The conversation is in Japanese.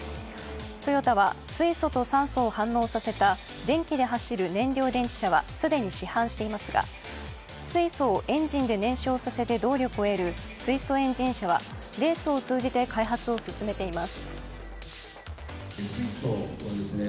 トヨタは水素と酸素を反応させた電気で走る燃料電池車は既に市販していますが、水素をエンジンで燃焼させて動力を得る水素エンジン車はレースを通じて開発を進めています。